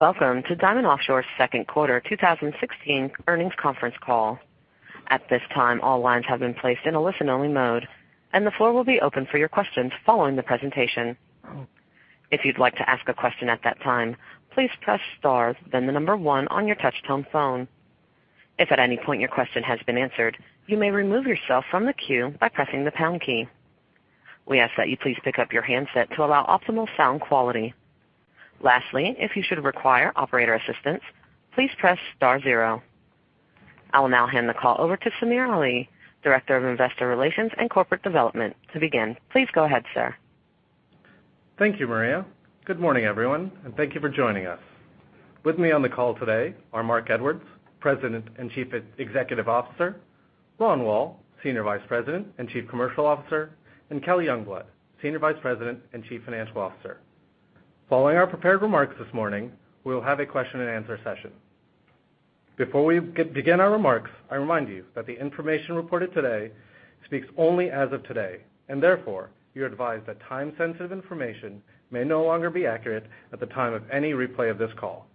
Welcome to Diamond Offshore's second quarter 2016 earnings conference call. At this time, all lines have been placed in a listen-only mode, and the floor will be open for your questions following the presentation. If you'd like to ask a question at that time, please press star then the number one on your touch-tone phone. If at any point your question has been answered, you may remove yourself from the queue by pressing the pound key. We ask that you please pick up your handset to allow optimal sound quality. Lastly, if you should require operator assistance, please press star zero. I will now hand the call over to Samir Ali, Director of Investor Relations and Corporate Development. To begin, please go ahead, sir. Thank you, Maria. Good morning, everyone, and thank you for joining us. With me on the call today are Marc Edwards, President and Chief Executive Officer, Ron Woll, Senior Vice President and Chief Commercial Officer, and Kelly Youngblood, Senior Vice President and Chief Financial Officer. Following our prepared remarks this morning, we will have a question-and-answer session. Before we begin our remarks, I remind you that the information reported today speaks only as of today, and therefore, you're advised that time-sensitive information may no longer be accurate at the time of any replay of this call.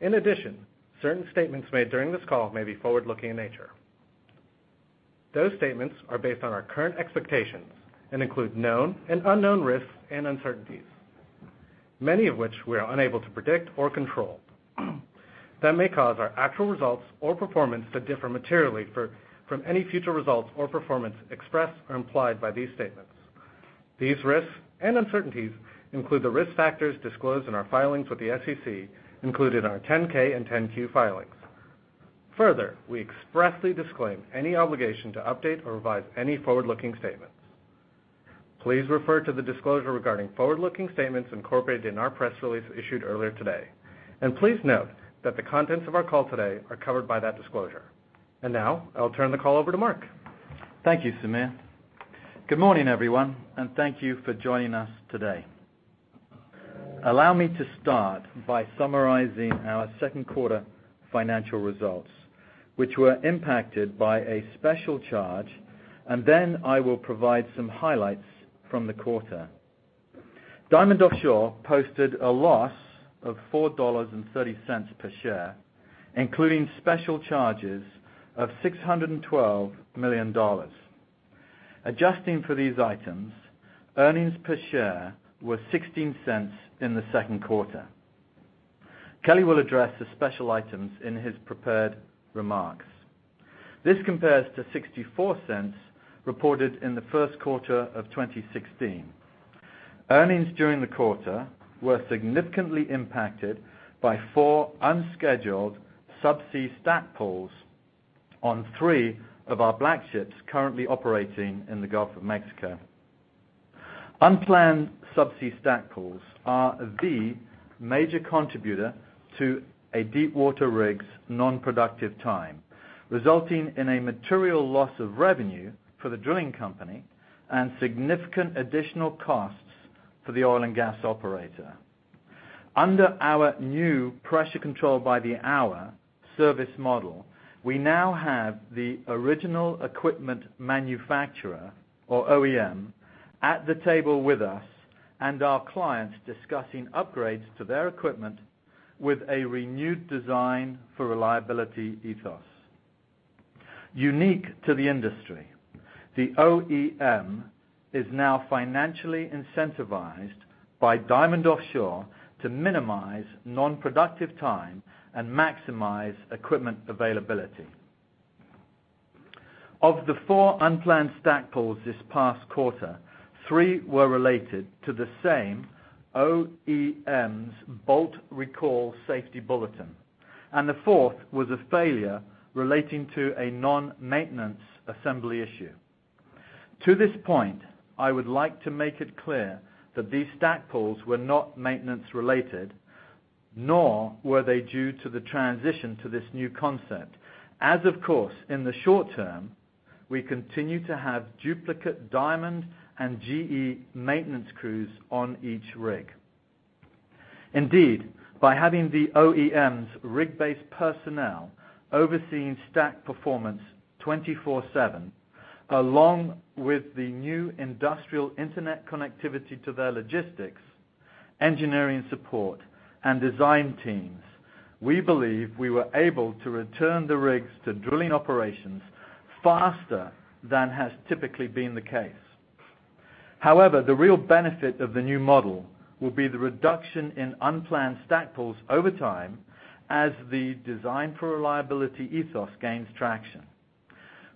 In addition, certain statements made during this call may be forward-looking in nature. Those statements are based on our current expectations and include known and unknown risks and uncertainties, many of which we are unable to predict or control. That may cause our actual results or performance to differ materially from any future results or performance expressed or implied by these statements. These risks and uncertainties include the risk factors disclosed in our filings with the SEC included in our 10-K and 10-Q filings. Further, we expressly disclaim any obligation to update or revise any forward-looking statements. Please refer to the disclosure regarding forward-looking statements incorporated in our press release issued earlier today. Please note that the contents of our call today are covered by that disclosure. Now, I'll turn the call over to Marc. Thank you, Samir. Good morning, everyone, and thank you for joining us today. Allow me to start by summarizing our second quarter financial results, which were impacted by a special charge, and then I will provide some highlights from the quarter. Diamond Offshore posted a loss of $4.30 per share, including special charges of $612 million. Adjusting for these items, earnings per share were $0.16 in the second quarter. Kelly will address the special items in his prepared remarks. This compares to $0.64 reported in the first quarter of 2016. Earnings during the quarter were significantly impacted by four unscheduled subsea stack pulls on three of our Black ships currently operating in the Gulf of Mexico. Unplanned subsea stack pulls are the major contributor to a deepwater rig's non-productive time, resulting in a material loss of revenue for the drilling company and significant additional costs for the oil and gas operator. Under our new Pressure Control by the Hour service model, we now have the original equipment manufacturer or OEM at the table with us and our clients discussing upgrades to their equipment with a renewed design for reliability ethos. Unique to the industry, the OEM is now financially incentivized by Diamond Offshore to minimize non-productive time and maximize equipment availability. Of the 4 unplanned stack pulls this past quarter, 3 were related to the same OEM's bolt recall safety bulletin, and the fourth was a failure relating to a non-maintenance assembly issue. To this point, I would like to make it clear that these stack pulls were not maintenance related, nor were they due to the transition to this new concept. Of course, in the short term, we continue to have duplicate Diamond and GE maintenance crews on each rig. Indeed, by having the OEM's rig-based personnel overseeing stack performance 24/7, along with the new industrial internet connectivity to their logistics, engineering support, and design teams, we believe we were able to return the rigs to drilling operations faster than has typically been the case. The real benefit of the new model will be the reduction in unplanned stack pulls over time as the design for reliability ethos gains traction.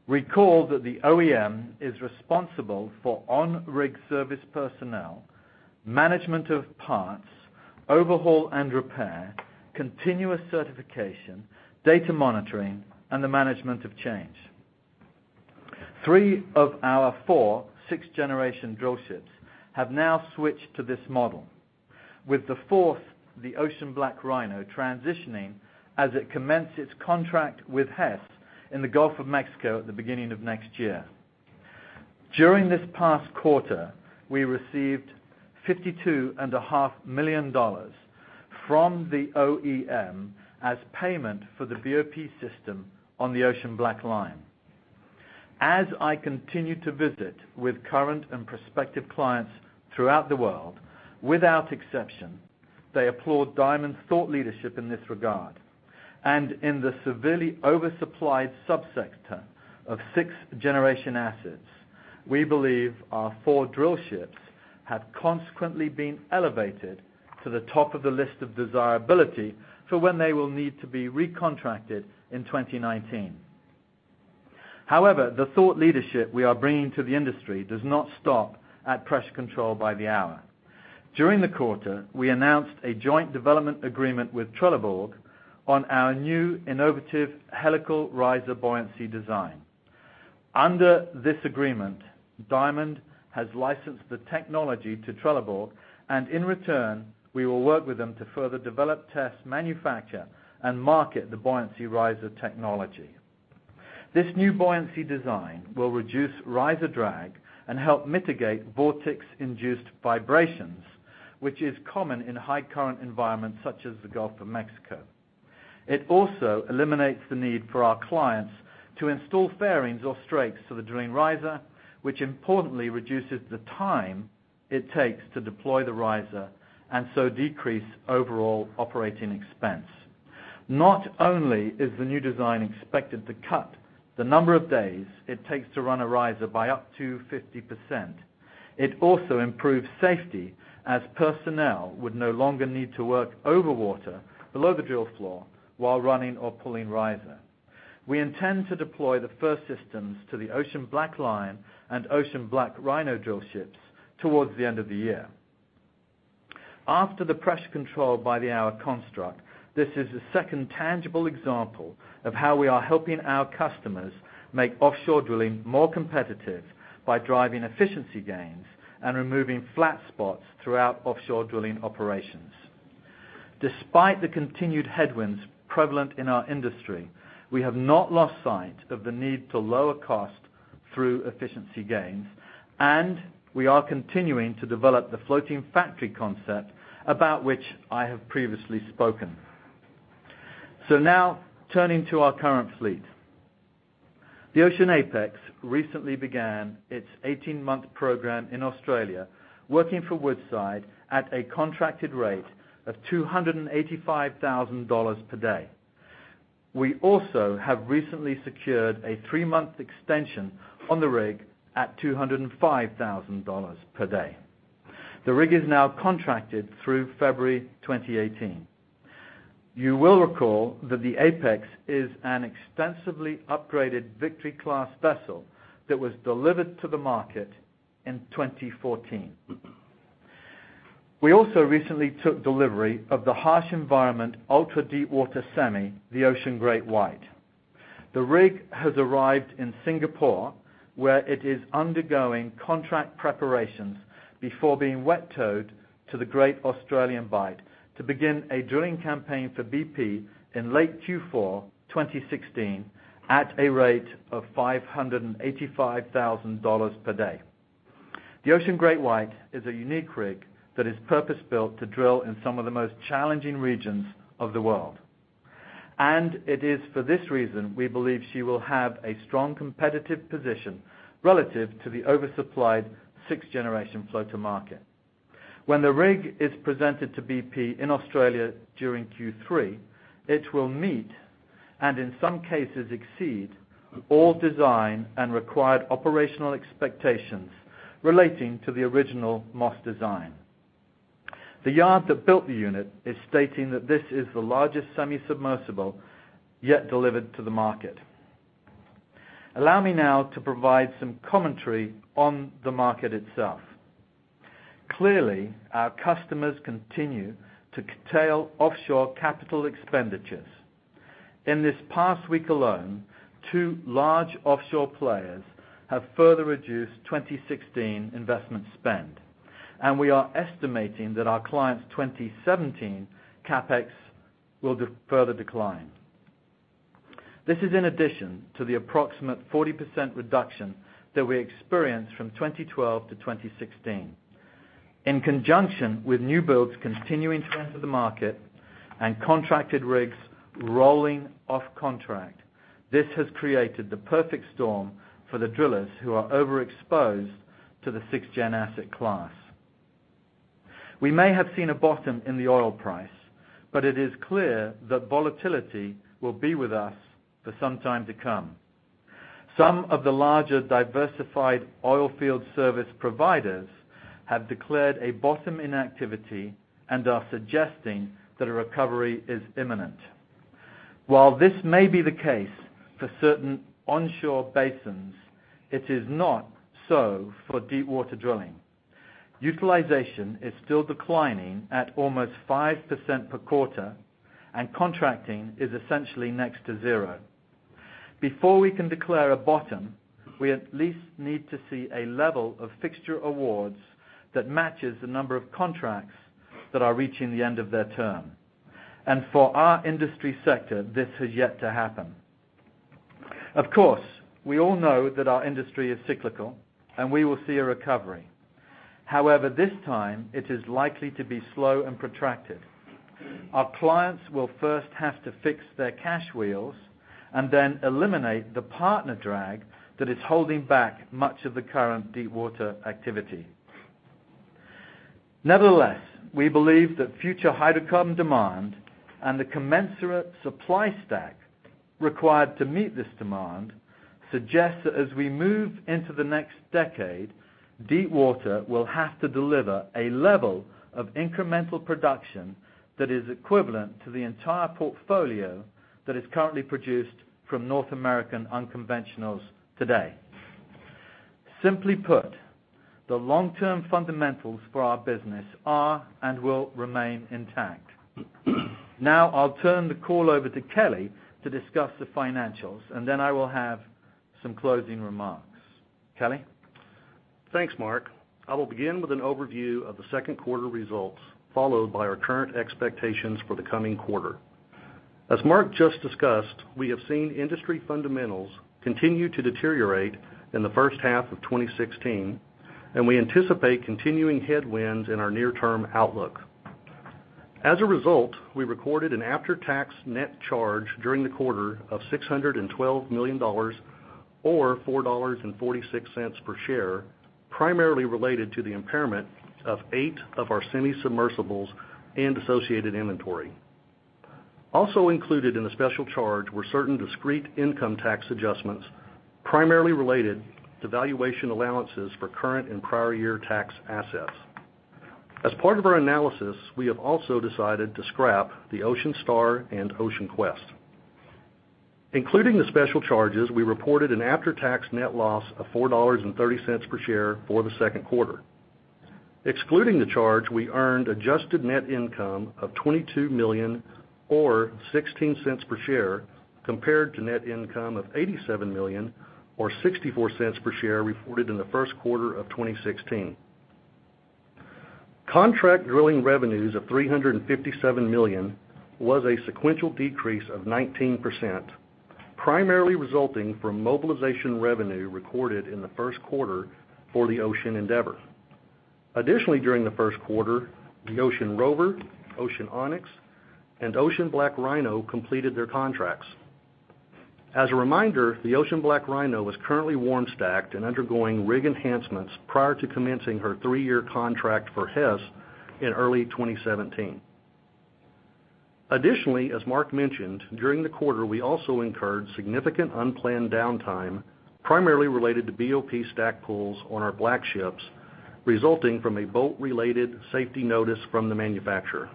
Recall that the OEM is responsible for on-rig service personnel, management of parts, overhaul and repair, continuous certification, data monitoring, and the management of change. Three of our 4 sixth-generation drill ships have now switched to this model. With the fourth, the Ocean BlackRhino, transitioning as it commenced its contract with Hess in the Gulf of Mexico at the beginning of next year. During this past quarter, we received $52.5 million from the OEM as payment for the BOP system on the Ocean BlackLion. As I continue to visit with current and prospective clients throughout the world, without exception, they applaud Diamond's thought leadership in this regard. In the severely oversupplied sub-sector of sixth-generation assets, we believe our 4 drill ships have consequently been elevated to the top of the list of desirability for when they will need to be recontracted in 2019. The thought leadership we are bringing to the industry does not stop at Pressure Control by the Hour. During the quarter, we announced a joint development agreement with Trelleborg on our new innovative helical riser buoyancy design. Under this agreement, Diamond has licensed the technology to Trelleborg. In return, we will work with them to further develop test manufacture and market the buoyancy riser technology. This new buoyancy design will reduce riser drag and help mitigate vortex-induced vibrations, which is common in high current environments such as the Gulf of Mexico. It also eliminates the need for our clients to install fairings or strakes to the drilling riser, which importantly reduces the time it takes to deploy the riser and so decrease overall operating expense. Not only is the new design expected to cut the number of days it takes to run a riser by up to 50%, it also improves safety as personnel would no longer need to work over water below the drill floor while running or pulling riser. We intend to deploy the first systems to the Ocean BlackLion and Ocean BlackRhino drill ships towards the end of the year. After the Pressure Control by the Hour construct, this is the second tangible example of how we are helping our customers make offshore drilling more competitive by driving efficiency gains and removing flat spots throughout offshore drilling operations. Despite the continued headwinds prevalent in our industry, we have not lost sight of the need to lower cost through efficiency gains, and we are continuing to develop the Floating Factory concept about which I have previously spoken. Now turning to our current fleet. The Ocean Apex recently began its 18-month program in Australia, working for Woodside at a contracted rate of $285,000 per day. We also have recently secured a three-month extension on the rig at $205,000 per day. The rig is now contracted through February 2018. You will recall that the Apex is an extensively upgraded Victory-class vessel that was delivered to the market in 2014. We also recently took delivery of the harsh environment, ultra-deepwater semi, the Ocean GreatWhite. The rig has arrived in Singapore, where it is undergoing contract preparations before being wet towed to the Great Australian Bight to begin a drilling campaign for BP in late Q4 2016 at a rate of $585,000 per day. The Ocean GreatWhite is a unique rig that is purpose-built to drill in some of the most challenging regions of the world, and it is for this reason we believe she will have a strong competitive position relative to the oversupplied sixth-generation floater market. When the rig is presented to BP in Australia during Q3, it will meet, and in some cases, exceed all design and required operational expectations relating to the original Moss design. The yard that built the unit is stating that this is the largest semi-submersible yet delivered to the market. Allow me now to provide some commentary on the market itself. Clearly, our customers continue to curtail offshore capital expenditures. In this past week alone, two large offshore players have further reduced 2016 investment spend, and we are estimating that our clients' 2017 CapEx will further decline. This is in addition to the approximate 40% reduction that we experienced from 2012 to 2016. In conjunction with new builds continuing to enter the market and contracted rigs rolling off contract, this has created the perfect storm for the drillers who are overexposed to the sixth-gen asset class. We may have seen a bottom in the oil price, but it is clear that volatility will be with us for some time to come. Some of the larger diversified oil field service providers have declared a bottom in activity and are suggesting that a recovery is imminent. While this may be the case for certain onshore basins, it is not so for deepwater drilling. Utilization is still declining at almost 5% per quarter, and contracting is essentially next to zero. Before we can declare a bottom, we at least need to see a level of fixture awards that matches the number of contracts that are reaching the end of their term. For our industry sector, this has yet to happen. Of course, we all know that our industry is cyclical, and we will see a recovery. However, this time it is likely to be slow and protracted. Our clients will first have to fix their cash flows and then eliminate the partner drag that is holding back much of the current deepwater activity. Nevertheless, we believe that future hydrocarbon demand and the commensurate supply stack required to meet this demand suggest that as we move into the next decade, deepwater will have to deliver a level of incremental production that is equivalent to the entire portfolio that is currently produced from North American unconventionals today. Simply put, the long-term fundamentals for our business are and will remain intact. Now I'll turn the call over to Kelly to discuss the financials, and then I will have some closing remarks. Kelly? Thanks, Marc. I will begin with an overview of the second quarter results, followed by our current expectations for the coming quarter. As Marc just discussed, we have seen industry fundamentals continue to deteriorate in the first half of 2016, and we anticipate continuing headwinds in our near-term outlook. As a result, we recorded an after-tax net charge during the quarter of $612 million, or $4.46 per share, primarily related to the impairment of eight of our semi-submersibles and associated inventory. Also included in the special charge were certain discrete income tax adjustments, primarily related to valuation allowances for current and prior-year tax assets. As part of our analysis, we have also decided to scrap the Ocean Star and Ocean Quest. Including the special charges, we reported an after-tax net loss of $4.30 per share for the second quarter. Excluding the charge, we earned adjusted net income of $22 million or $0.16 per share, compared to net income of $87 million or $0.64 per share reported in the first quarter of 2016. Contract drilling revenues of $357 million was a sequential decrease of 19%, primarily resulting from mobilization revenue recorded in the first quarter for the Ocean Endeavor. Additionally, during the first quarter, the Ocean Rover, Ocean Onyx, and Ocean BlackRhino completed their contracts. As a reminder, the Ocean BlackRhino is currently warm stacked and undergoing rig enhancements prior to commencing her three-year contract for Hess in early 2017. Additionally, as Marc mentioned, during the quarter, we also incurred significant unplanned downtime, primarily related to BOP stack pulls on our Black Ships, resulting from a bolt-related safety notice from the manufacturer.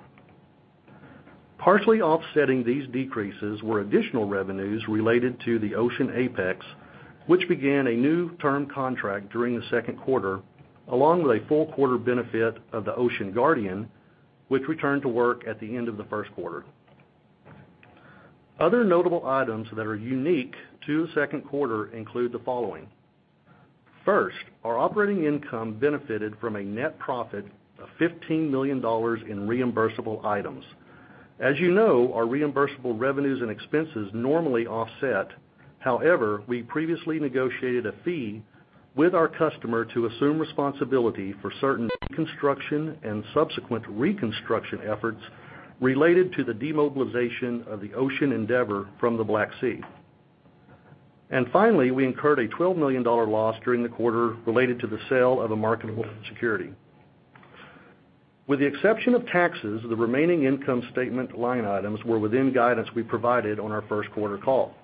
Partially offsetting these decreases were additional revenues related to the Ocean Apex, which began a new term contract during the second quarter, along with a full quarter benefit of the Ocean Guardian, which returned to work at the end of the first quarter. Other notable items that are unique to the second quarter include the following. First, our operating income benefited from a net profit of $15 million in reimbursable items. As you know, our reimbursable revenues and expenses normally offset. However, we previously negotiated a fee with our customer to assume responsibility for certain deconstruction and subsequent reconstruction efforts related to the demobilization of the Ocean Endeavor from the Black Sea. Finally, we incurred a $12 million loss during the quarter related to the sale of a marketable security. With the exception of taxes, the remaining income statement line items were within guidance we provided on our first quarter call.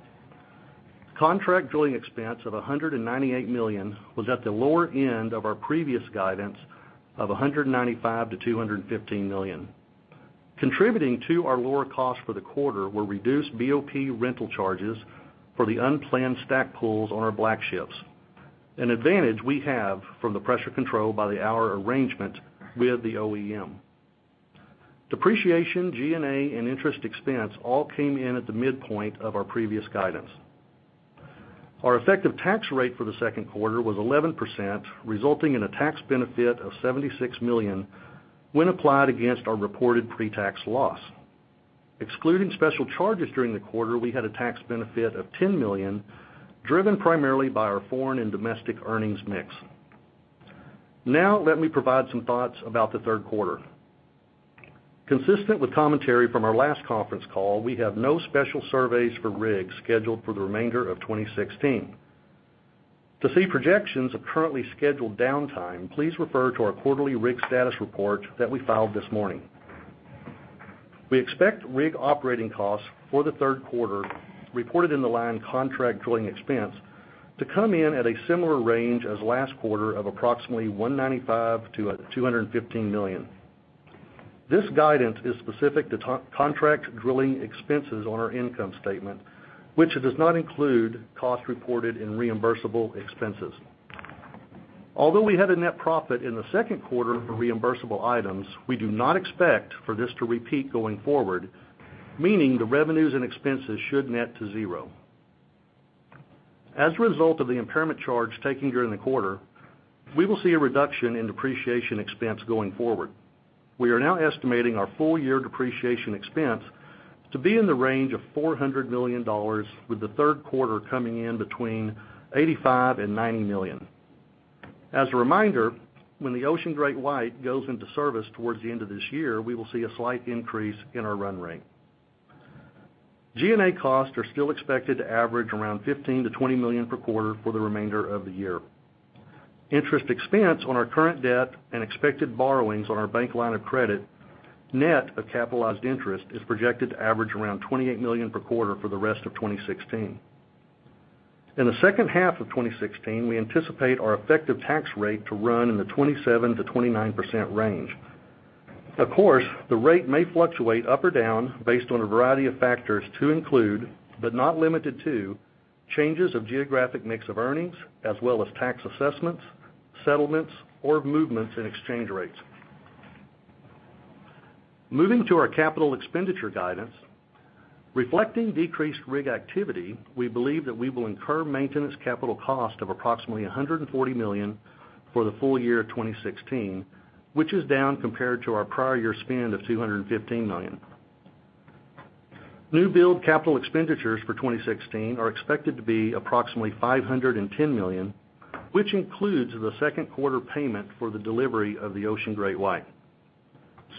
Contract drilling expense of $198 million was at the lower end of our previous guidance of $195 million-$215 million. Contributing to our lower cost for the quarter were reduced BOP rental charges for the unplanned stack pulls on our Black ships, an advantage we have from the Pressure Control by the Hour arrangement with the OEM. Depreciation, G&A, and interest expense all came in at the midpoint of our previous guidance. Our effective tax rate for the second quarter was 11%, resulting in a tax benefit of $76 million when applied against our reported pretax loss. Excluding special charges during the quarter, we had a tax benefit of $10 million, driven primarily by our foreign and domestic earnings mix. Now let me provide some thoughts about the third quarter. Consistent with commentary from our last conference call, we have no special surveys for rigs scheduled for the remainder of 2016. To see projections of currently scheduled downtime, please refer to our quarterly rig status report that we filed this morning. We expect rig operating costs for the third quarter reported in the line contract drilling expense to come in at a similar range as last quarter of approximately $195 million-$215 million. This guidance is specific to contract drilling expenses on our income statement, which does not include costs reported in reimbursable expenses. Although we had a net profit in the second quarter for reimbursable items, we do not expect for this to repeat going forward, meaning the revenues and expenses should net to zero. As a result of the impairment charge taken during the quarter, we will see a reduction in depreciation expense going forward. We are now estimating our full-year depreciation expense to be in the range of $400 million, with the third quarter coming in between $85 million and $90 million. As a reminder, when the Ocean GreatWhite goes into service towards the end of this year, we will see a slight increase in our run rate. G&A costs are still expected to average around $15 million-$20 million per quarter for the remainder of the year. Interest expense on our current debt and expected borrowings on our bank line of credit, net of capitalized interest, is projected to average around $28 million per quarter for the rest of 2016. In the second half of 2016, we anticipate our effective tax rate to run in the 27%-29% range. Of course, the rate may fluctuate up or down based on a variety of factors to include, but not limited to, changes of geographic mix of earnings as well as tax assessments, settlements, or movements in exchange rates. Moving to our capital expenditure guidance. Reflecting decreased rig activity, we believe that we will incur maintenance capital cost of approximately $140 million for the full year of 2016, which is down compared to our prior year spend of $215 million. New build capital expenditures for 2016 are expected to be approximately $510 million, which includes the second quarter payment for the delivery of the Ocean GreatWhite.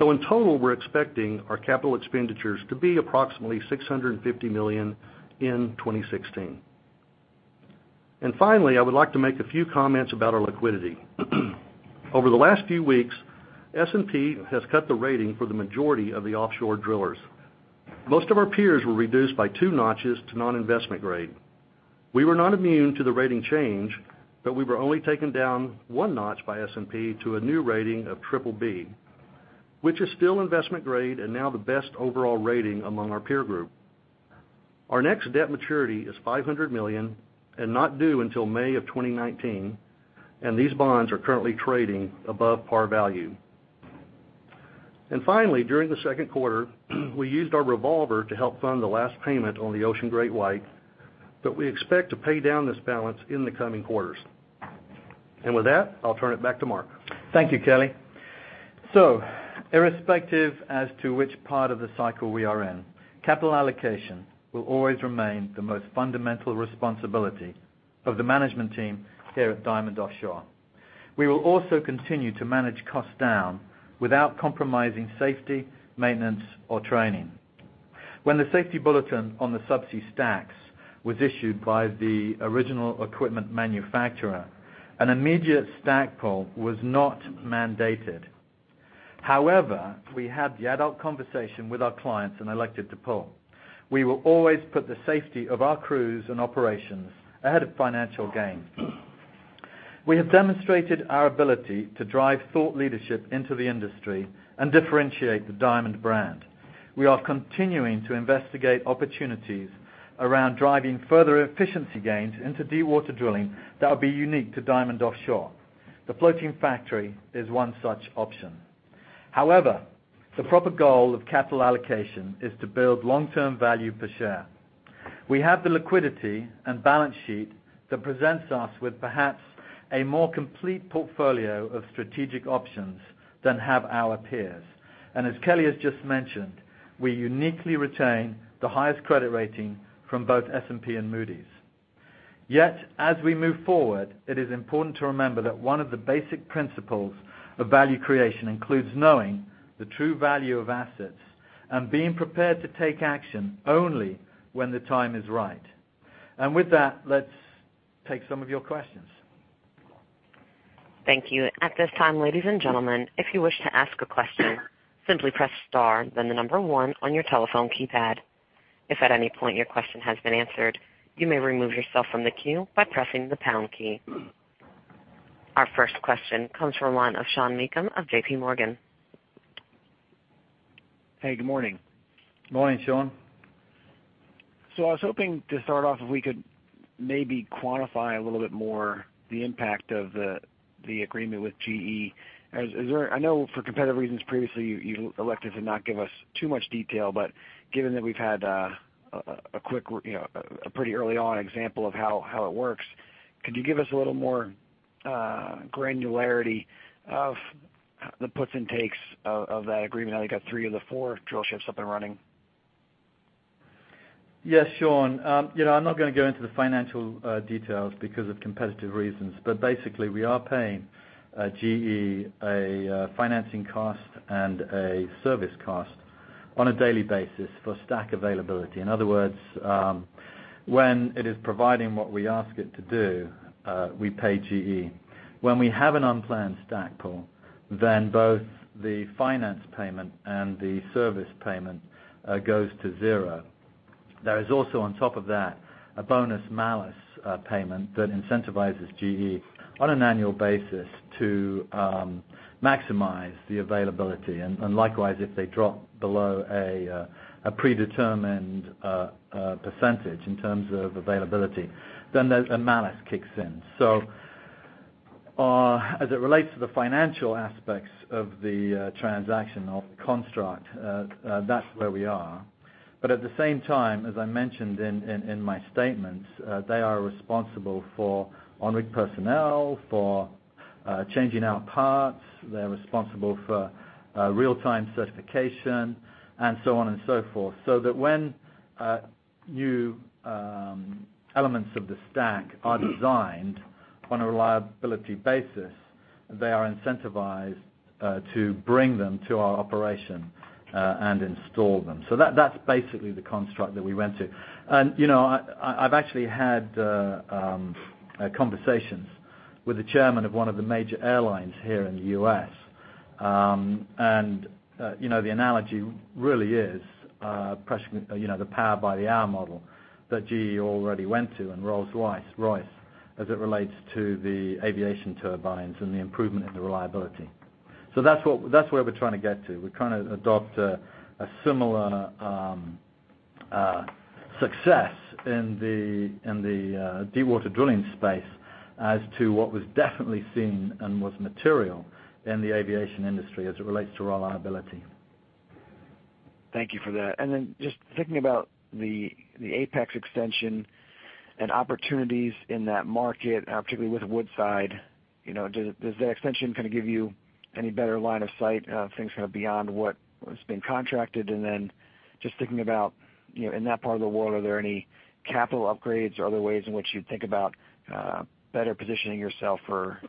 In total, we're expecting our capital expenditures to be approximately $650 million in 2016. Finally, I would like to make a few comments about our liquidity. Over the last few weeks, S&P has cut the rating for the majority of the offshore drillers. Most of our peers were reduced by two notches to non-investment grade. We were not immune to the rating change, but we were only taken down one notch by S&P to a new rating of triple B, which is still investment grade and now the best overall rating among our peer group. Our next debt maturity is $500 million and not due until May of 2019, and these bonds are currently trading above par value. Finally, during the second quarter, we used our revolver to help fund the last payment on the Ocean GreatWhite, but we expect to pay down this balance in the coming quarters. With that, I'll turn it back to Marc. Thank you, Kelly. Irrespective as to which part of the cycle we are in, capital allocation will always remain the most fundamental responsibility of the management team here at Diamond Offshore. We will also continue to manage costs down without compromising safety, maintenance, or training. When the safety bulletin on the subsea stacks was issued by the original equipment manufacturer, an immediate stack pull was not mandated. However, we had the adult conversation with our clients and elected to pull. We will always put the safety of our crews and operations ahead of financial gain. We have demonstrated our ability to drive thought leadership into the industry and differentiate the Diamond brand. We are continuing to investigate opportunities around driving further efficiency gains into deepwater drilling that will be unique to Diamond Offshore. The Floating Factory is one such option. However, the proper goal of capital allocation is to build long-term value per share. We have the liquidity and balance sheet that presents us with perhaps a more complete portfolio of strategic options than have our peers. As Kelly has just mentioned, we uniquely retain the highest credit rating from both S&P and Moody's. Yet, as we move forward, it is important to remember that one of the basic principles of value creation includes knowing the true value of assets and being prepared to take action only when the time is right. With that, let's take some of your questions. Thank you. At this time, ladies and gentlemen, if you wish to ask a question. Simply press star, then the number 1 on your telephone keypad. If at any point your question has been answered, you may remove yourself from the queue by pressing the pound key. Our first question comes from the line of Sean Meakim of JP Morgan. Hey, good morning. Morning, Sean. I was hoping to start off if we could maybe quantify a little bit more the impact of the agreement with GE. I know for competitive reasons, previously, you elected to not give us too much detail, but given that we've had a pretty early on example of how it works, could you give us a little more granularity of the puts and takes of that agreement now that you got three of the four drillships up and running? Yes, Sean. I'm not going to go into the financial details because of competitive reasons, but basically, we are paying GE a financing cost and a service cost on a daily basis for stack availability. In other words, when it is providing what we ask it to do, we pay GE. When we have an unplanned stack pull, both the finance payment and the service payment goes to zero. There is also on top of that, a bonus-malus payment that incentivizes GE on an annual basis to maximize the availability, and likewise, if they drop below a predetermined % in terms of availability, a malus kicks in. As it relates to the financial aspects of the transaction or construct, that's where we are. At the same time, as I mentioned in my statements, they are responsible for on-rig personnel, for changing out parts, they're responsible for real-time certification, and so on and so forth. That when new elements of the stack are designed on a reliability basis, they are incentivized to bring them to our operation and install them. That's basically the construct that we went to. I've actually had conversations with the chairman of one of the major airlines here in the U.S., and the analogy really is the Power by the Hour model that GE already went to, and Rolls-Royce, as it relates to the aviation turbines and the improvement in the reliability. That's where we're trying to get to. We're trying to adopt a similar success in the deepwater drilling space as to what was definitely seen and was material in the aviation industry as it relates to reliability. Thank you for that. Then just thinking about the Apex extension and opportunities in that market, particularly with Woodside, does that extension kind of give you any better line of sight of things kind of beyond what has been contracted? Then just thinking about, in that part of the world, are there any capital upgrades or other ways in which you think about better positioning yourself for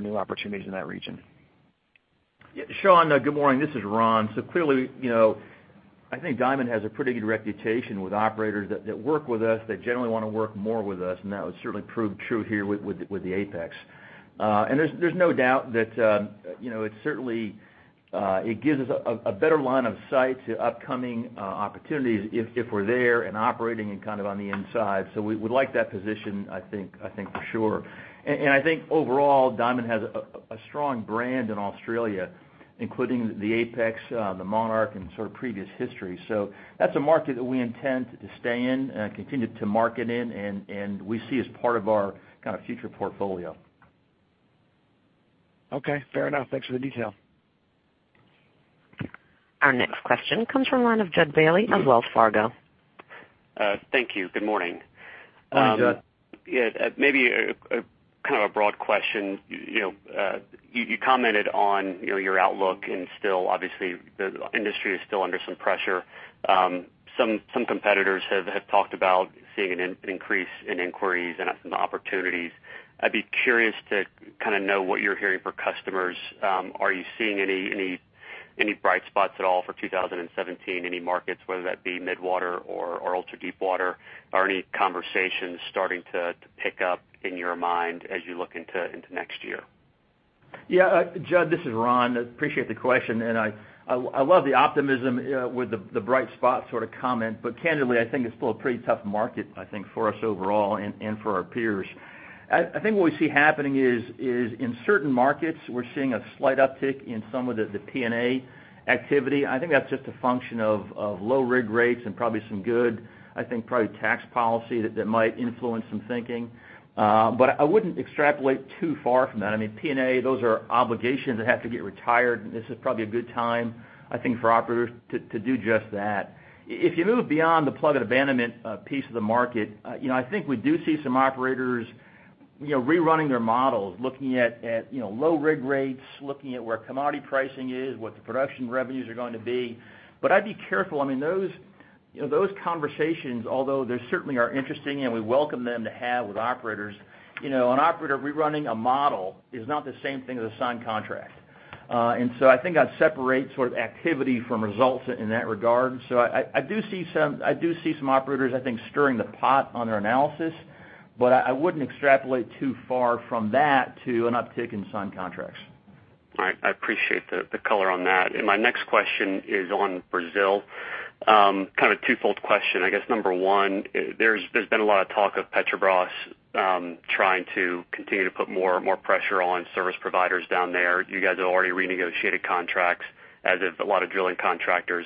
new opportunities in that region? Yeah, Sean, good morning. This is Ron. Clearly, I think Diamond has a pretty good reputation with operators that work with us that generally want to work more with us, and that was certainly proved true here with the Apex. There's no doubt that it gives us a better line of sight to upcoming opportunities if we're there and operating and kind of on the inside. We'd like that position, I think for sure. I think overall, Diamond has a strong brand in Australia, including the Apex, the Monarch, and sort of previous history. That's a market that we intend to stay in and continue to market in and we see as part of our kind of future portfolio. Okay, fair enough. Thanks for the detail. Our next question comes from the line of Judd Bailey of Wells Fargo. Thank you. Good morning. Hi, Judd. Maybe kind of a broad question. You commented on your outlook and still, obviously, the industry is still under some pressure. Some competitors have talked about seeing an increase in inquiries and opportunities. I'd be curious to kind of know what you're hearing from customers. Are you seeing any bright spots at all for 2017? Any markets, whether that be mid-water or ultra-deepwater? Are any conversations starting to pick up in your mind as you look into next year? Judd, this is Ron. Appreciate the question. I love the optimism with the bright spot sort of comment, candidly, I think it's still a pretty tough market, I think, for us overall and for our peers. I think what we see happening is, in certain markets, we're seeing a slight uptick in some of the P&A activity. I think that's just a function of low rig rates and probably some good, I think, probably tax policy that might influence some thinking. I wouldn't extrapolate too far from that. P&A, those are obligations that have to get retired, and this is probably a good time, I think, for operators to do just that. If you move beyond the plug and abandonment piece of the market, I think we do see some operators rerunning their models, looking at low rig rates, looking at where commodity pricing is, what the production revenues are going to be. I'd be careful. Those conversations, although they certainly are interesting and we welcome them to have with operators, an operator rerunning a model is not the same thing as a signed contract. I think I'd separate sort of activity from results in that regard. I do see some operators, I think, stirring the pot on their analysis. I wouldn't extrapolate too far from that to an uptick in signed contracts. All right. I appreciate the color on that. My next question is on Brazil. Kind of a twofold question. I guess, number 1, there's been a lot of talk of Petrobras trying to continue to put more pressure on service providers down there. You guys have already renegotiated contracts, as have a lot of drilling contractors.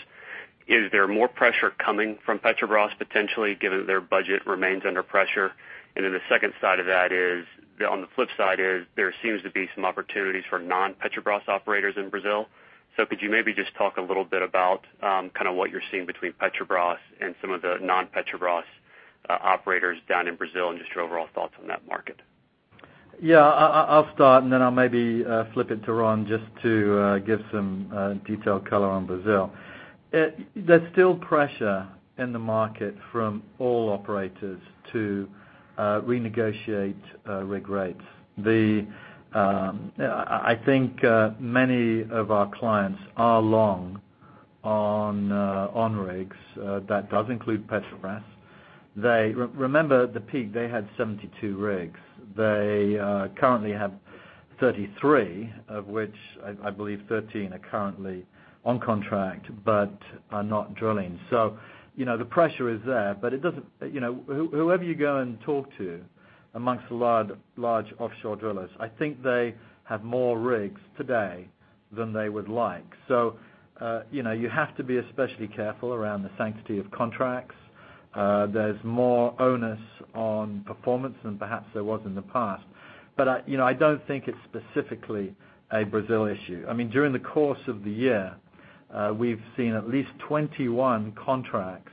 Is there more pressure coming from Petrobras potentially, given their budget remains under pressure? The second side of that is, on the flip side, there seems to be some opportunities for non-Petrobras operators in Brazil. Could you maybe just talk a little bit about kind of what you're seeing between Petrobras and some of the non-Petrobras operators down in Brazil and just your overall thoughts on that market? Yeah. I'll start and then I'll maybe flip it to Ron just to give some detailed color on Brazil. There's still pressure in the market from all operators to renegotiate rig rates. I think many of our clients are long on rigs. That does include Petrobras. Remember, at the peak, they had 72 rigs. They currently have 33, of which I believe 13 are currently on contract but are not drilling. The pressure is there, but whoever you go and talk to amongst the large offshore drillers, I think they have more rigs today than they would like. You have to be especially careful around the sanctity of contracts. There's more onus on performance than perhaps there was in the past. I don't think it's specifically a Brazil issue. During the course of the year, we've seen at least 21 contracts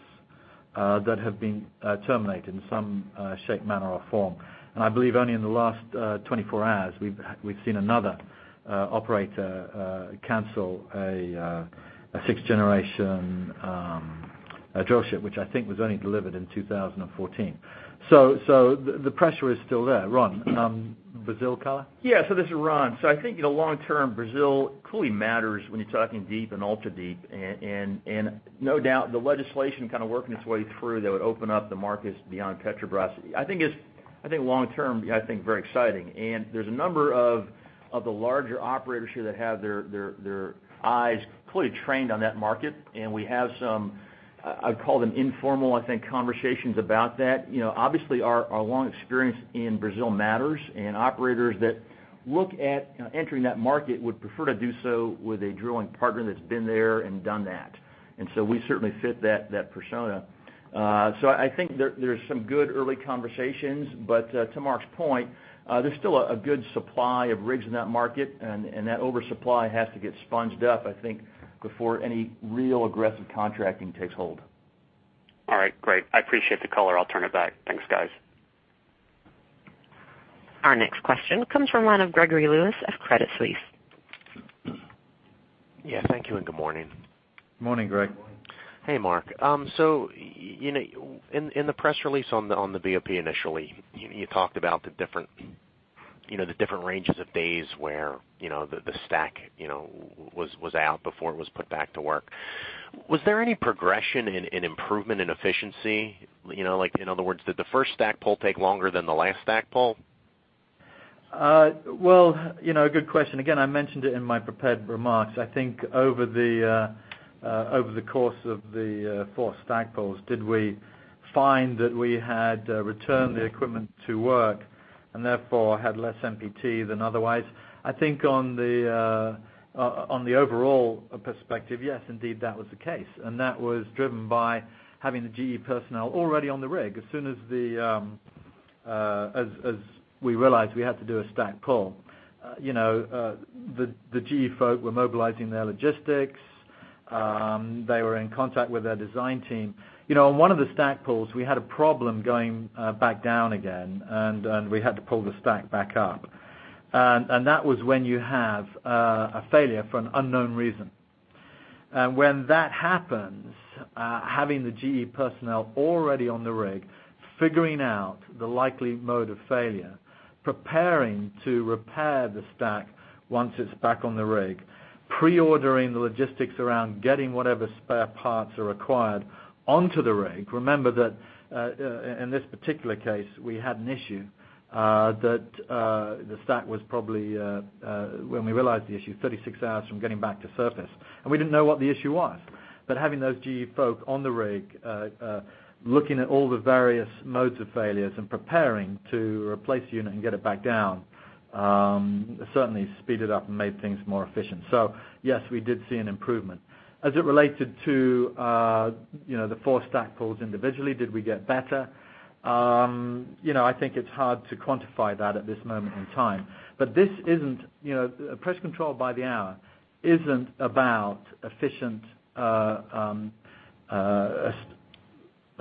that have been terminated in some shape, manner, or form. I believe only in the last 24 hours we've seen another operator cancel a sixth-generation drill ship, which I think was only delivered in 2014. The pressure is still there. Ron, Brazil color? Yeah. This is Ron. I think in the long term, Brazil clearly matters when you're talking deep and ultra-deep. No doubt the legislation working its way through that would open up the markets beyond Petrobras. I think long term, I think very exciting. There's a number of the larger operators here that have their eyes clearly trained on that market. We have some, I'd call them informal conversations about that. Obviously, our long experience in Brazil matters, and operators that look at entering that market would prefer to do so with a drilling partner that's been there and done that. We certainly fit that persona. I think there are some good early conversations, but to Marc's point, there's still a good supply of rigs in that market, and that oversupply has to get sponged up, I think, before any real aggressive contracting takes hold. All right, great. I appreciate the color. I'll turn it back. Thanks, guys. Our next question comes from the line of Gregory Lewis of Credit Suisse. Yeah, thank you and good morning. Morning, Greg. Hey, Marc. In the press release on the BOP initially, you talked about the different ranges of days where the stack was out before it was put back to work. Was there any progression in improvement in efficiency? In other words, did the first stack pull take longer than the last stack pull? Well, good question. Again, I mentioned it in my prepared remarks. I think over the course of the four stack pulls, did we find that we had returned the equipment to work and therefore had less NPT than otherwise? I think on the overall perspective, yes, indeed, that was the case. That was driven by having the GE personnel already on the rig. As soon as we realized we had to do a stack pull, the GE folk were mobilizing their logistics. They were in contact with their design team. On one of the stack pulls, we had a problem going back down again, and we had to pull the stack back up. That was when you have a failure for an unknown reason. When that happens, having the GE personnel already on the rig, figuring out the likely mode of failure, preparing to repair the stack once it's back on the rig, pre-ordering the logistics around getting whatever spare parts are required onto the rig. Remember that in this particular case, we had an issue that the stack was probably, when we realized the issue, 36 hours from getting back to surface, and we didn't know what the issue was. Having those GE folk on the rig looking at all the various modes of failures and preparing to replace the unit and get it back down certainly speeded up and made things more efficient. Yes, we did see an improvement. As it related to the four stack pulls individually, did we get better? I think it's hard to quantify that at this moment in time. Pressure Control by the Hour isn't about efficient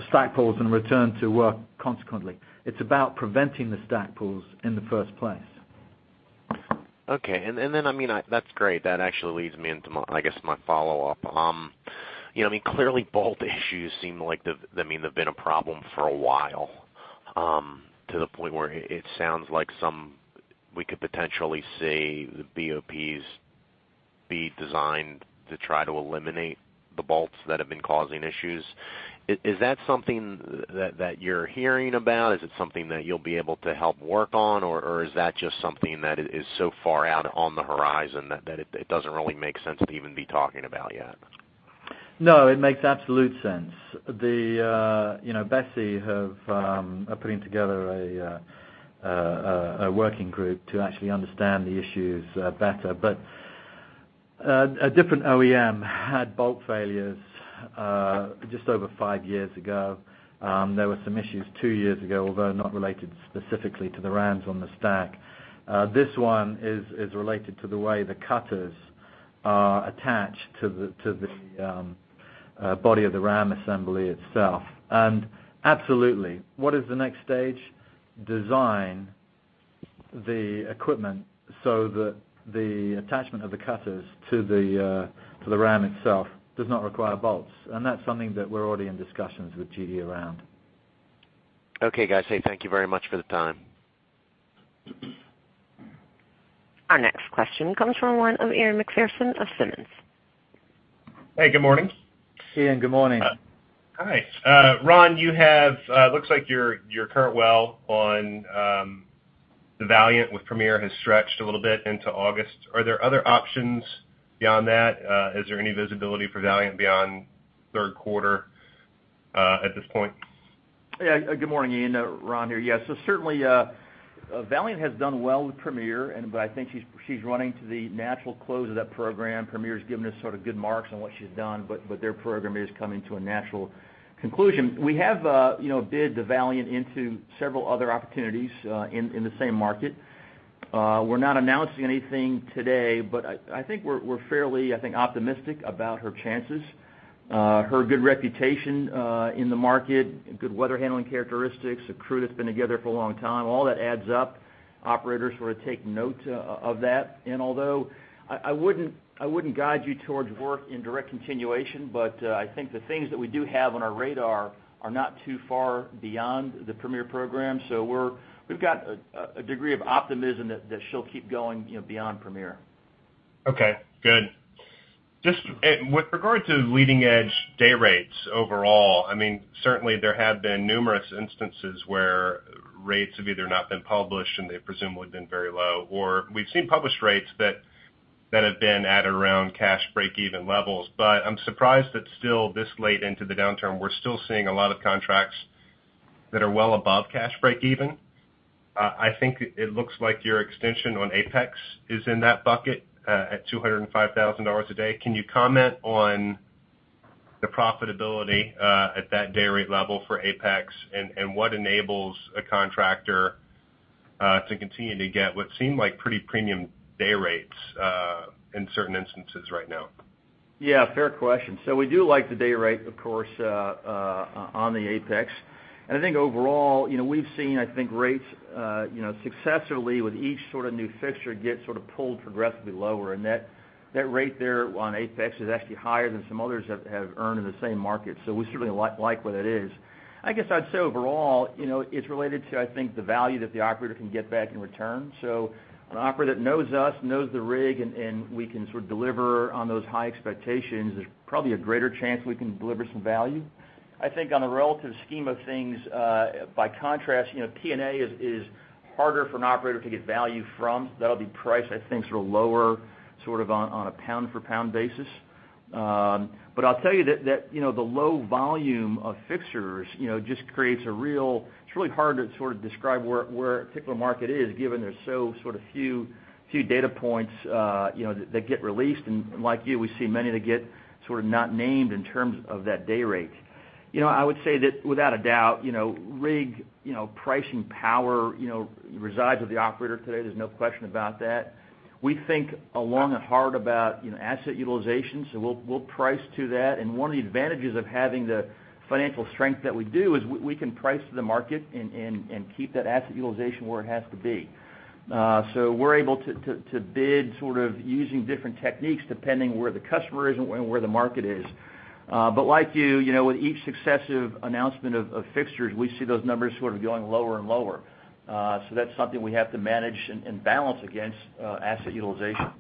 stack pulls and return to work consequently. It's about preventing the stack pulls in the first place. Okay. That's great. That actually leads me into, I guess, my follow-up. Clearly, bolt issues seem like they've been a problem for a while, to the point where it sounds like we could potentially see the BOPs be designed to try to eliminate the bolts that have been causing issues. Is that something that you're hearing about? Is it something that you'll be able to help work on, or is that just something that is so far out on the horizon that it doesn't really make sense to even be talking about yet? No, it makes absolute sense. The BSEE have putting together a working group to actually understand the issues better. A different OEM had bolt failures just over five years ago. There were some issues two years ago, although not related specifically to the rams on the stack. This one is related to the way the cutters are attached to the body of the ram assembly itself. Absolutely. What is the next stage? Design the equipment so that the attachment of the cutters to the ram itself does not require bolts. That's something that we're already in discussions with GE around. Okay, guys. Thank you very much for the time. Our next question comes from the line of Ian Macpherson of Simmons. Hey, good morning. Ian, good morning. Hi. Ron, looks like your current well on the Valiant with Premier has stretched a little bit into August. Are there other options beyond that? Is there any visibility for Valiant beyond third quarter at this point? Good morning, Ian. Ron here. Yes. Certainly, Valiant has done well with Premier, but I think she's running to the natural close of that program. Premier's given us good marks on what she's done, but their program is coming to a natural conclusion. We have bid the Valiant into several other opportunities in the same market. We're not announcing anything today, but I think we're fairly optimistic about her chances. Her good reputation in the market, good weather handling characteristics, a crew that's been together for a long time, all that adds up. Operators take note of that. Although I wouldn't guide you towards work in direct continuation, I think the things that we do have on our radar are not too far beyond the Premier program. We've got a degree of optimism that she'll keep going beyond Premier. Okay, good. Just with regard to leading-edge day rates overall, certainly there have been numerous instances where rates have either not been published and they've presumably been very low, or we've seen published rates that have been at around cash breakeven levels. I'm surprised that still this late into the downturn, we're still seeing a lot of contracts that are well above cash breakeven. I think it looks like your extension on Apex is in that bucket at $205,000 a day. Can you comment on the profitability at that day rate level for Apex and what enables a contractor to continue to get what seem like pretty premium day rates in certain instances right now? Fair question. We do like the day rate, of course, on the Apex. I think overall, we've seen rates successively with each new fixture get pulled progressively lower, and that rate there on Apex is actually higher than some others have earned in the same market. We certainly like what it is. I guess I'd say overall, it's related to the value that the operator can get back in return. An operator that knows us, knows the rig, and we can deliver on those high expectations, there's probably a greater chance we can deliver some value. I think on the relative scheme of things, by contrast, P&A is harder for an operator to get value from. That'll be priced, I think, lower on a pound-for-pound basis. I'll tell you that the low volume of fixtures just creates a real. It's really hard to describe where a particular market is given there's so few data points that get released. Like you, we see many that get not named in terms of that day rate. I would say that without a doubt, rig pricing power resides with the operator today. There's no question about that. We think long and hard about asset utilization, we'll price to that. One of the advantages of having the financial strength that we do is we can price to the market and keep that asset utilization where it has to be. We're able to bid using different techniques depending where the customer is and where the market is. like you, with each successive announcement of fixtures, we see those numbers sort of going lower and lower. That's something we have to manage and balance against asset utilization.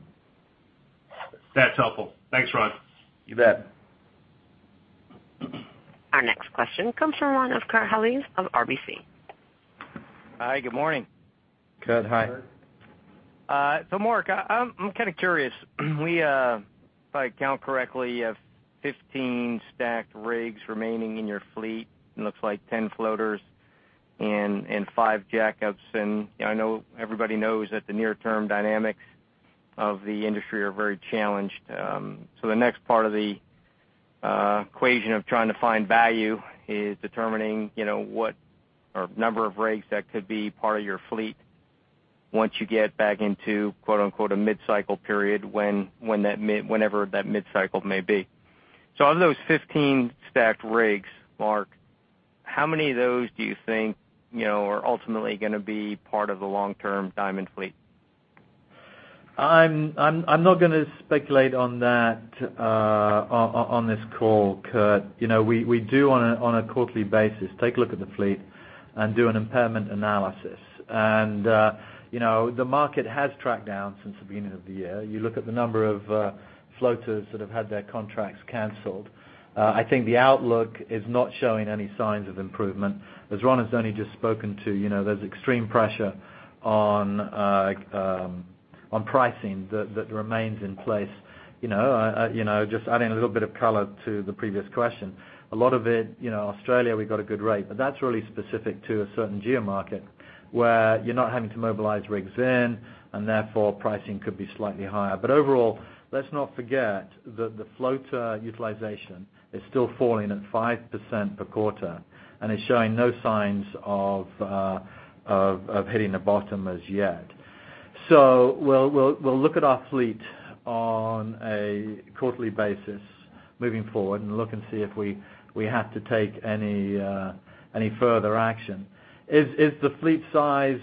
That's helpful. Thanks, Ron. You bet. Our next question comes from one of Kurt Hallead of RBC. Hi. Good morning. Kurt, hi. Marc, I'm kind of curious. We, if I count correctly, have 15 stacked rigs remaining in your fleet, and looks like 10 floaters and five jackups. I know everybody knows that the near-term dynamics of the industry are very challenged. The next part of the equation of trying to find value is determining what or number of rigs that could be part of your fleet once you get back into "a mid-cycle period" whenever that mid-cycle may be. Of those 15 stacked rigs, Marc, how many of those do you think are ultimately gonna be part of the long-term Diamond fleet? I'm not gonna speculate on that on this call, Kurt. We do on a quarterly basis take a look at the fleet and do an impairment analysis. The market has tracked down since the beginning of the year. You look at the number of floaters that have had their contracts canceled. I think the outlook is not showing any signs of improvement. Ron has only just spoken to, there's extreme pressure on pricing that remains in place. Just adding a little bit of color to the previous question. A lot of it, Australia, we've got a good rate, but that's really specific to a certain geo-market where you're not having to mobilize rigs in, and therefore, pricing could be slightly higher. Overall, let's not forget that the floater utilization is still falling at 5% per quarter and is showing no signs of hitting a bottom as yet. We'll look at our fleet on a quarterly basis moving forward and look and see if we have to take any further action. Is the fleet size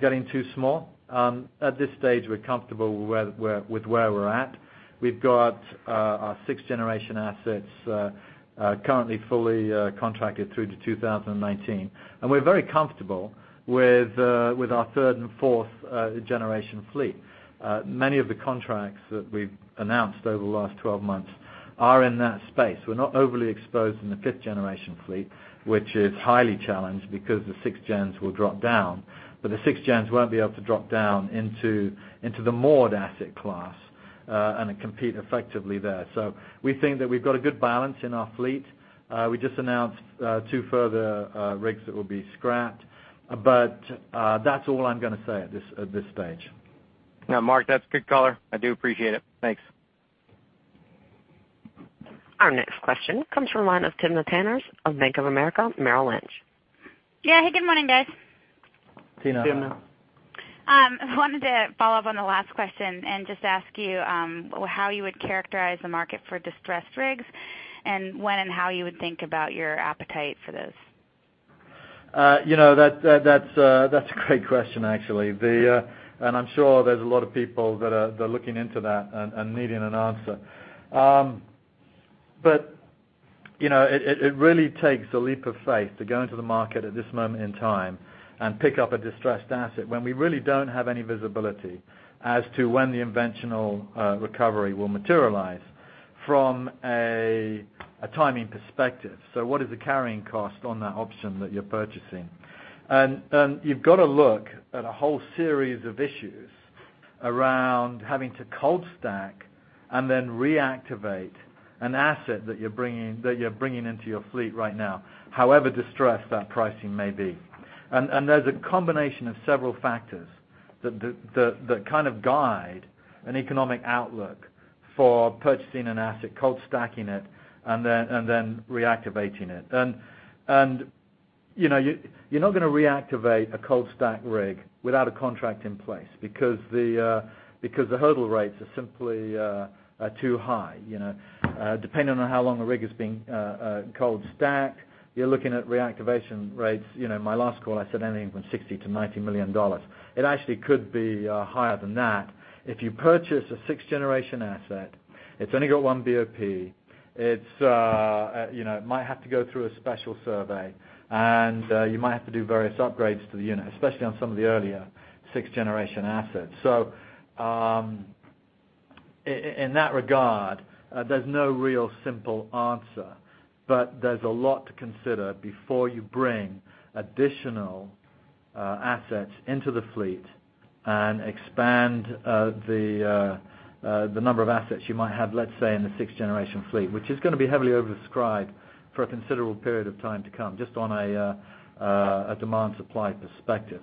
getting too small? At this stage, we're comfortable with where we're at. We've got our sixth-generation assets currently fully contracted through to 2019, and we're very comfortable with our third and fourth generation fleet. Many of the contracts that we've announced over the last 12 months are in that space. We're not overly exposed in the fifth-generation fleet, which is highly challenged because the sixth gens will drop down. The sixth gens won't be able to drop down into the moored asset class and compete effectively there. We think that we've got a good balance in our fleet. We just announced two further rigs that will be scrapped. That's all I'm going to say at this stage. No, Marc, that's a good color. I do appreciate it. Thanks. Our next question comes from the line of Tina Taners of Bank of America Merrill Lynch. Yeah. Hey, good morning, guys. Tina. Tina. I wanted to follow up on the last question and just ask you, how you would characterize the market for distressed rigs and when and how you would think about your appetite for those? That's a great question, actually. I'm sure there's a lot of people that are looking into that and needing an answer. It really takes a leap of faith to go into the market at this moment in time and pick up a distressed asset when we really don't have any visibility as to when the conventional recovery will materialize from a timing perspective. What is the carrying cost on that option that you're purchasing? You've got to look at a whole series of issues around having to cold stack and then reactivate an asset that you're bringing into your fleet right now, however distressed that pricing may be. There's a combination of several factors that kind of guide an economic outlook for purchasing an asset, cold stacking it, and then reactivating it. You're not going to reactivate a cold stacked rig without a contract in place because the hurdle rates are simply too high. Depending on how long the rig is being cold stacked, you're looking at reactivation rates. In my last call, I said anything from $60 million-$90 million. It actually could be higher than that. If you purchase a sixth-generation asset, it's only got 1 BOP. It might have to go through a special survey. You might have to do various upgrades to the unit, especially on some of the earlier sixth-generation assets. In that regard, there's no real simple answer. There's a lot to consider before you bring additional assets into the fleet and expand the number of assets you might have let's say in the sixth-generation fleet. Which is going to be heavily oversubscribed for a considerable period of time to come, just on a demand-supply perspective.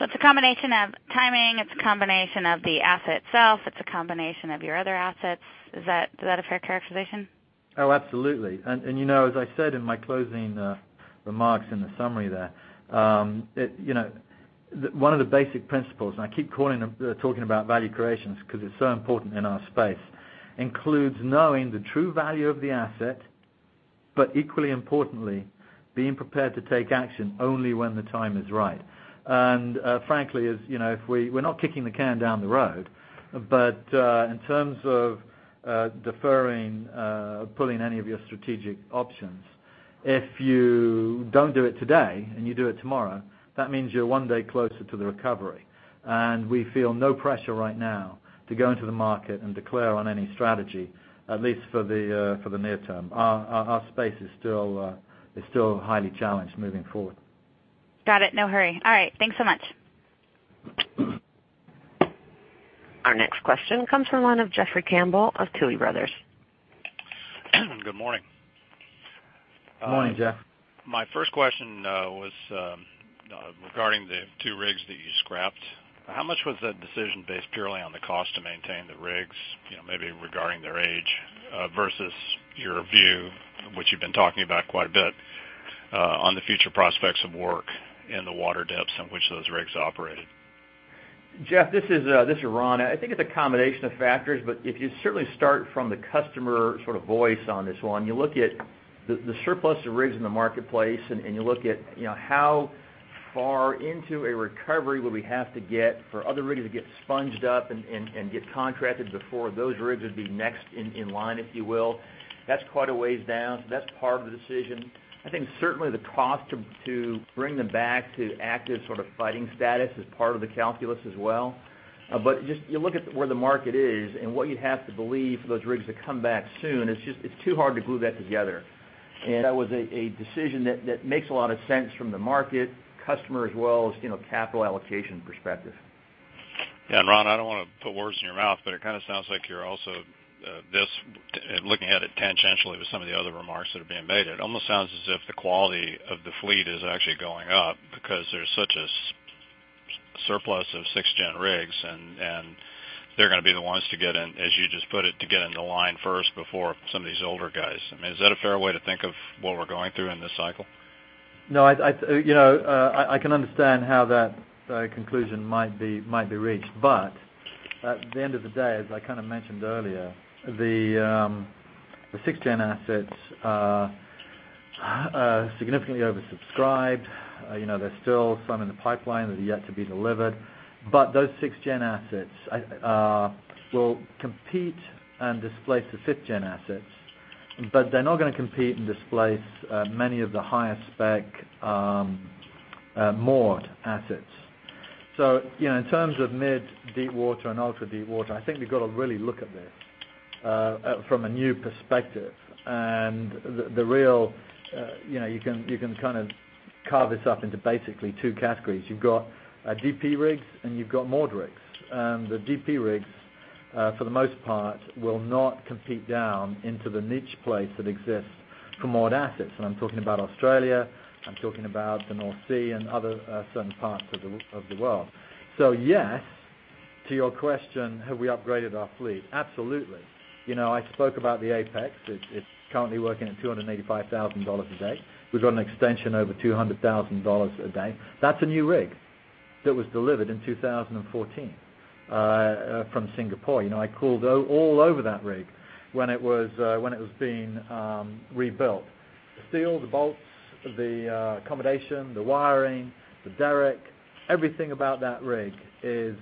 It's a combination of timing. It's a combination of the asset itself. It's a combination of your other assets. Is that a fair characterization? Absolutely. As I said in my closing remarks in the summary there, one of the basic principles, and I keep talking about value creations because it's so important in our space, includes knowing the true value of the asset, but equally importantly, being prepared to take action only when the time is right. Frankly, we're not kicking the can down the road. In terms of deferring, pulling any of your strategic options, if you don't do it today and you do it tomorrow, that means you're one day closer to the recovery. We feel no pressure right now to go into the market and declare on any strategy, at least for the near term. Our space is still highly challenged moving forward. Got it. No hurry. All right. Thanks so much. Our next question comes from the line of Jeffrey Campbell of Tuohy Brothers. Good morning. Morning, Jeff. My first question was regarding the two rigs that you scrapped. How much was that decision based purely on the cost to maintain the rigs, maybe regarding their age, versus your view, which you've been talking about quite a bit, on the future prospects of work in the water depths in which those rigs operated? Jeff, this is Ron. I think it's a combination of factors. If you certainly start from the customer sort of voice on this one, you look at the surplus of rigs in the marketplace, you look at how far into a recovery would we have to get for other rigs to get sponged up and get contracted before those rigs would be next in line, if you will. That's quite a ways down. That's part of the decision. I think certainly the cost to bring them back to active sort of fighting status is part of the calculus as well. You look at where the market is and what you have to believe for those rigs to come back soon, it's too hard to glue that together. That was a decision that makes a lot of sense from the market, customer, as well as capital allocation perspective. Yeah. Ron, I don't want to put words in your mouth, but it kind of sounds like you're also looking at it tangentially with some of the other remarks that are being made. It almost sounds as if the quality of the fleet is actually going up because there's such a surplus of sixth-gen rigs, and they're going to be the ones to get in, as you just put it, to get in the line first before some of these older guys. I mean, is that a fair way to think of what we're going through in this cycle? No. I can understand how that conclusion might be reached. At the end of the day, as I kind of mentioned earlier, the sixth-gen assets are significantly oversubscribed. There's still some in the pipeline that are yet to be delivered. Those sixth-gen assets will compete and displace the fifth-gen assets. They're not going to compete and displace many of the higher spec moored assets. In terms of mid, deep water and ultra-deep water, I think we've got to really look at this from a new perspective. You can kind of carve this up into basically two categories. You've got DP rigs and you've got moored rigs. The DP rigs, for the most part, will not compete down into the niche place that exists for moored assets. I'm talking about Australia, I'm talking about the North Sea and other certain parts of the world. Yes, to your question, have we upgraded our fleet? Absolutely. I spoke about the Apex. It's currently working at $285,000 a day. We've got an extension over $200,000 a day. That's a new rig that was delivered in 2014 from Singapore. I crawled all over that rig when it was being rebuilt. The steel, the bolts, the accommodation, the wiring, the derrick, everything about that rig is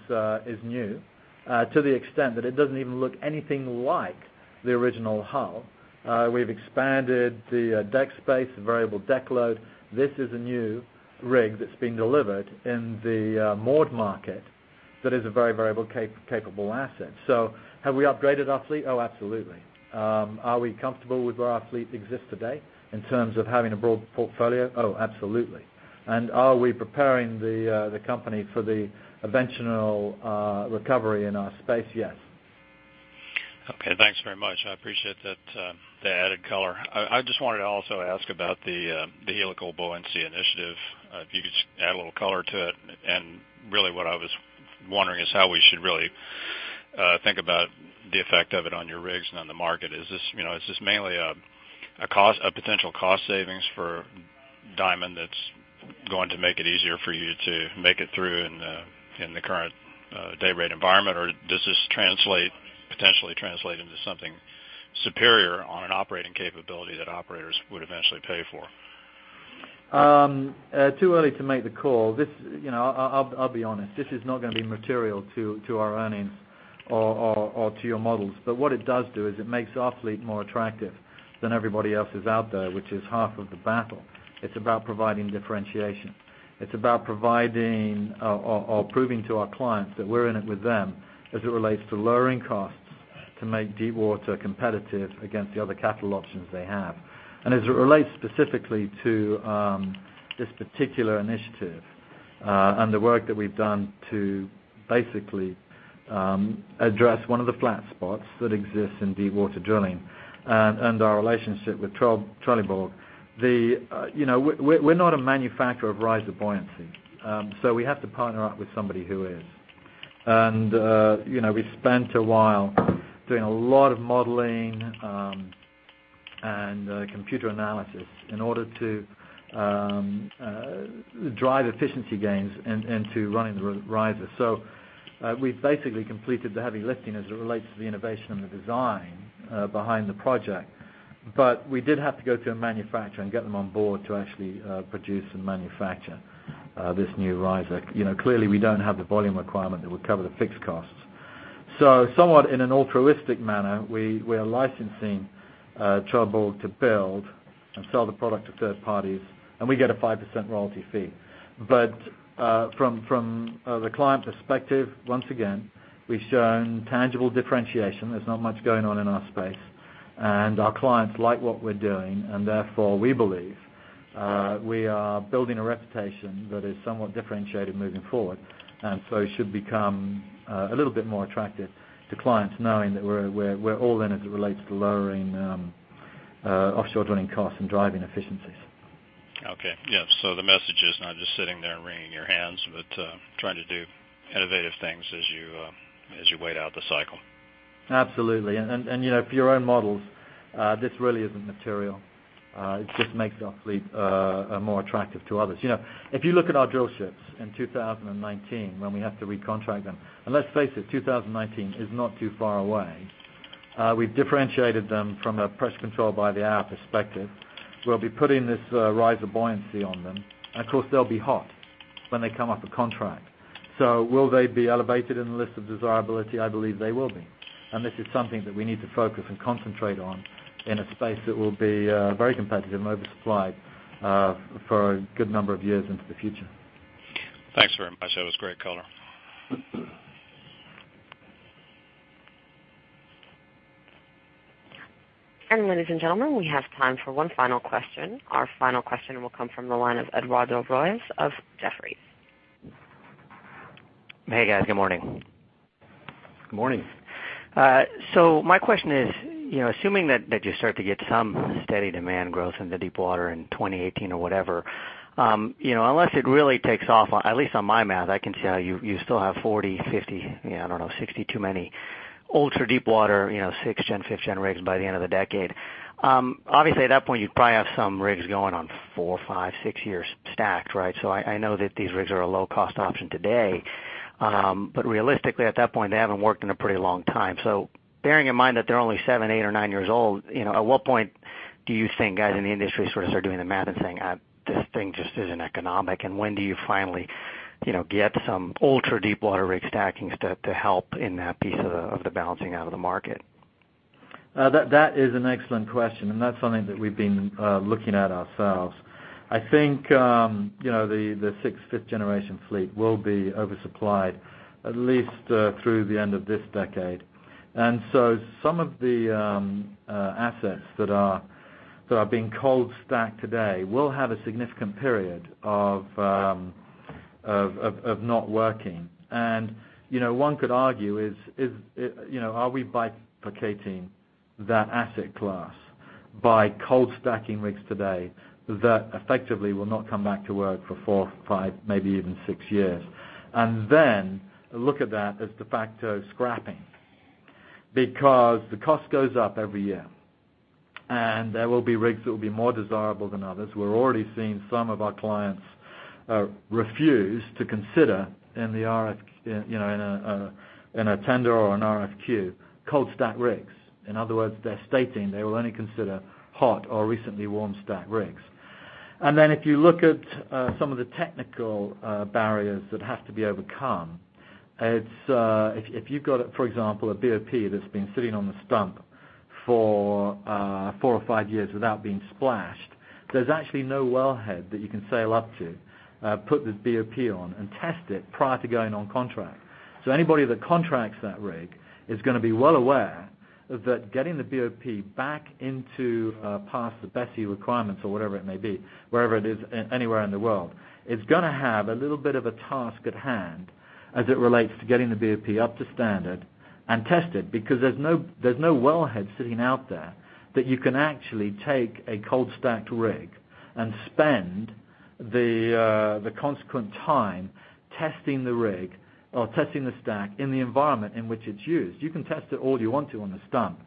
new, to the extent that it doesn't even look anything like the original hull. We've expanded the deck space, the variable deck load. This is a new rig that's been delivered in the moored market that is a very variable, capable asset. Have we upgraded our fleet? Oh, absolutely. Are we comfortable with where our fleet exists today in terms of having a broad portfolio? Oh, absolutely. Are we preparing the company for the eventual recovery in our space? Yes. Okay, thanks very much. I appreciate the added color. I just wanted to also ask about the helical buoyancy initiative. If you could just add a little color to it. Really what I was wondering is how we should really think about the effect of it on your rigs and on the market. Is this mainly a potential cost savings for Diamond that's going to make it easier for you to make it through in the current day rate environment? Does this potentially translate into something superior on an operating capability that operators would eventually pay for? Too early to make the call. I'll be honest, this is not going to be material to our earnings or to your models. What it does do is it makes our fleet more attractive than everybody else's out there, which is half of the battle. It's about providing differentiation. It's about providing or proving to our clients that we're in it with them as it relates to lowering costs to make deep water competitive against the other capital options they have. As it relates specifically to this particular initiative and the work that we've done to basically address one of the flat spots that exists in deep water drilling and our relationship with Trelleborg. We're not a manufacturer of riser buoyancy, so we have to partner up with somebody who is. We've spent a while doing a lot of modeling and computer analysis in order to drive efficiency gains into running the riser. We've basically completed the heavy lifting as it relates to the innovation and the design behind the project. We did have to go to a manufacturer and get them on board to actually produce and manufacture this new riser. Clearly, we don't have the volume requirement that would cover the fixed costs. Somewhat in an altruistic manner, we are licensing Trelleborg to build and sell the product to third parties, and we get a 5% royalty fee. From the client perspective, once again, we've shown tangible differentiation. There's not much going on in our space, our clients like what we're doing, therefore we believe we are building a reputation that is somewhat differentiated moving forward, should become a little bit more attractive to clients knowing that we're all in as it relates to lowering offshore drilling costs and driving efficiencies. Okay. Yeah. The message is not just sitting there and wringing your hands, but trying to do innovative things as you wait out the cycle. Absolutely. For your own models, this really isn't material. It just makes our fleet more attractive to others. If you look at our drill ships in 2019, when we have to recontract them, let's face it, 2019 is not too far away. We've differentiated them from a Pressure Control by the Hour perspective. We'll be putting this riser buoyancy on them, and of course, they'll be hot when they come up for contract. Will they be elevated in the list of desirability? I believe they will be, and this is something that we need to focus and concentrate on in a space that will be very competitive and oversupplied for a good number of years into the future. Thanks very much. That was great color. Ladies and gentlemen, we have time for one final question. Our final question will come from the line of Eduardo Royes of Jefferies. Hey, guys. Good morning. Good morning. My question is, assuming that you start to get some steady demand growth in the deepwater in 2018 or whatever, unless it really takes off, at least on my math, I can see how you still have 40, 50, I don't know, 60 too many ultra-deepwater, 6th-gen, 5th-gen rigs by the end of the decade. Obviously, at that point, you probably have some rigs going on four, five, six years stacked, right? I know that these rigs are a low-cost option today. Realistically, at that point, they haven't worked in a pretty long time. Bearing in mind that they're only seven, eight, or nine years old, at what point do you think guys in the industry sort of start doing the math and saying, "This thing just isn't economic"? When do you finally get some ultra-deepwater rig stacking to help in that piece of the balancing out of the market? That is an excellent question. That's something that we've been looking at ourselves. I think the sixth-generation, fifth-generation fleet will be oversupplied at least through the end of this decade. Some of the assets that are being cold stacked today will have a significant period of not working. One could argue is, are we bifurcating that asset class by cold stacking rigs today that effectively will not come back to work for four, five, maybe even six years? Look at that as de facto scrapping. The cost goes up every year, and there will be rigs that will be more desirable than others. We're already seeing some of our clients refuse to consider in a tender or an RFQ, cold stacked rigs. In other words, they're stating they will only consider hot or recently warm stacked rigs. If you look at some of the technical barriers that have to be overcome, if you've got, for example, a BOP that's been sitting on the stump for four or five years without being splashed, there's actually no wellhead that you can sail up to, put the BOP on, and test it prior to going on contract. Anybody that contracts that rig is going to be well aware that getting the BOP back into past the BSEE requirements or whatever it may be, wherever it is, anywhere in the world, is going to have a little bit of a task at hand as it relates to getting the BOP up to standard and tested because there's no wellhead sitting out there that you can actually take a cold stacked rig and spend the consequent time testing the rig or testing the stack in the environment in which it's used. You can test it all you want to on the stump.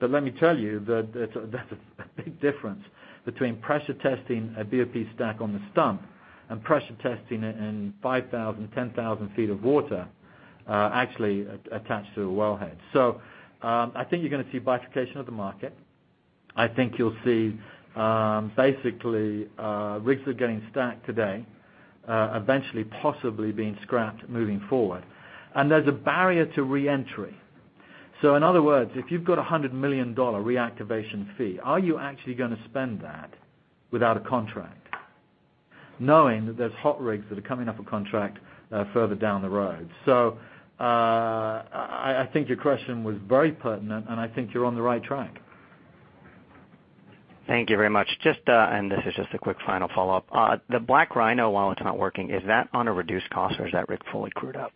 Let me tell you that that's a big difference between pressure testing a BOP stack on the stump and pressure testing it in 5,000, 10,000 feet of water actually attached to a wellhead. I think you're going to see bifurcation of the market. I think you'll see basically rigs that are getting stacked today eventually possibly being scrapped moving forward. There's a barrier to re-entry. In other words, if you've got a $100 million reactivation fee, are you actually going to spend that without a contract knowing that there's hot rigs that are coming up for contract further down the road? I think your question was very pertinent, and I think you're on the right track. Thank you very much. This is just a quick final follow-up. The Black Rhino, while it's not working, is that on a reduced cost or is that rig fully crewed up?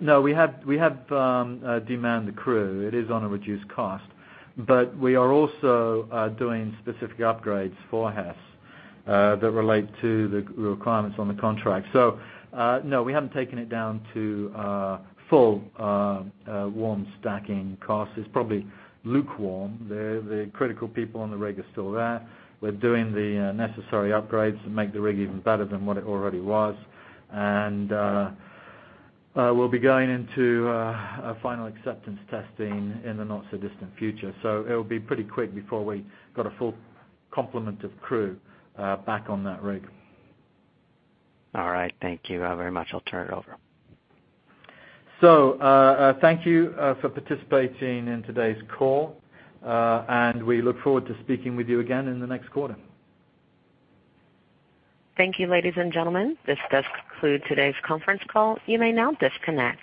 No, we have demanded crew. It is on a reduced cost. We are also doing specific upgrades for Hess that relate to the requirements on the contract. No, we haven't taken it down to full warm stacking cost. It's probably lukewarm. The critical people on the rig are still there. We're doing the necessary upgrades to make the rig even better than what it already was. We'll be going into a final acceptance testing in the not-so-distant future. It'll be pretty quick before we got a full complement of crew back on that rig. All right. Thank you very much. I'll turn it over. Thank you for participating in today's call. We look forward to speaking with you again in the next quarter. Thank you, ladies and gentlemen. This does conclude today's conference call. You may now disconnect.